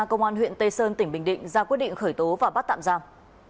công an huyện tây sơn tỉnh bình định ra quyết định khởi tố và bắt tạm giam